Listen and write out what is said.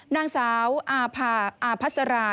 นางสาวอาพัสรา